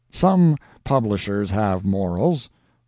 Some publishers have morals.